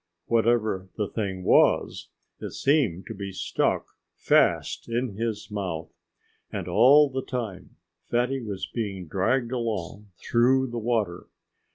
Whatever the thing was, it seemed to be stuck fast in his mouth. And all the time Fatty was being dragged along through the water.